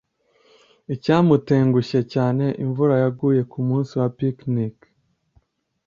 icyamutengushye cyane, imvura yaguye kumunsi wa picnic